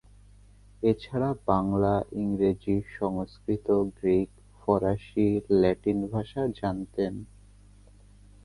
এছাড়া বাংলা, ইংরেজি, সংস্কৃত, গ্রীক, ফরাসি, ল্যাটিন ভাষা জানতেন।